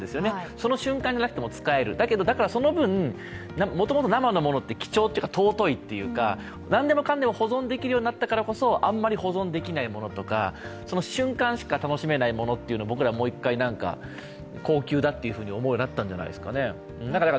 その瞬間なくても使える、だけど、その分、もともと生のものって尊いというか貴重というか何でも保存できるようになったからこそ保存できないもの、その瞬間しか楽しめないものを、僕ら、高級だと思うようになったんじゃないですかね。